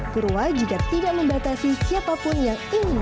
perluan jika tidak membatasi siapa pun yang ingin belajar